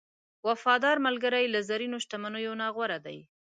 وفادار ملګری له زرینو شتمنیو نه غوره دی.